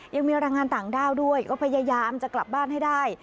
ยังมีแรงงานต่างด้าวด้วยก็พยายามจะกลับบ้านให้ได้